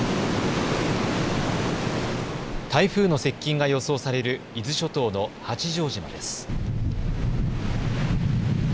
台風の接近が予想される伊豆諸島の八丈島です。